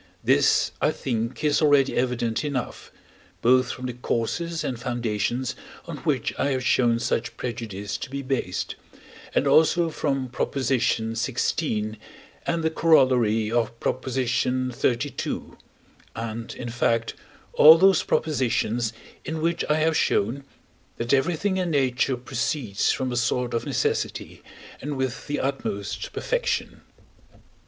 This, I think, is already evident enough, both from the causes and foundations on which I have shown such prejudice to be based, and also from Prop. xvi., and the Corollary of Prop. xxxii., and, in fact, all those propositions in which I have shown, that everything in nature proceeds from a sort of necessity, and with the utmost perfection.